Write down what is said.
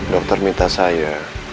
dokter minta saya